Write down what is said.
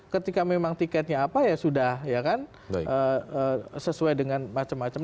ketika memang tiketnya apa ya sudah ya kan sesuai dengan macam macam